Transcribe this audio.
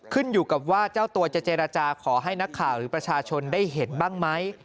ขึ้นอยู่กับว่าเจ้าตัวจะเจรจาขอให้นักข่าวหรือประชาชนได้เห็นบ้างไหม